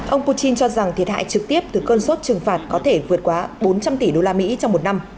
ông putin cho rằng thiệt hại trực tiếp từ cơn sốt trừng phạt có thể vượt qua bốn trăm linh tỷ đô la mỹ trong một năm